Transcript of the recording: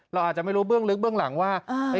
เราอาจจะไม่รู้เบื้องลึกเบื้องหลังว่า